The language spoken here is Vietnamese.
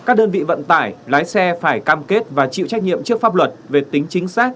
các đơn vị vận tải lái xe phải cam kết và chịu trách nhiệm trước pháp luật về tính chính xác